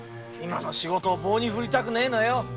今の仕事を棒に振りたくねえのよ。